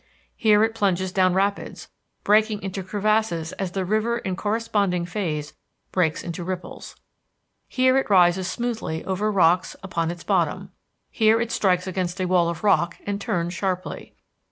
Here it plunges down rapids, breaking into crevasses as the river in corresponding phase breaks into ripples. Here it rises smoothly over rocks upon its bottom. Here it strikes against a wall of rock and turns sharply.